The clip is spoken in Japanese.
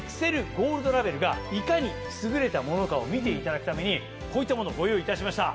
ゴールドラベルがいかに優れたものかを見ていただくためにこういったものをご用意いたしました。